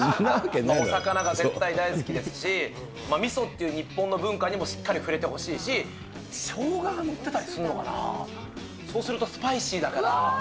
お魚が絶対大好きですし、みそっていう日本の文化にもしっかり触れてほしいし、しょうがが載ってたりするのかな、そうするとスパイシーだから。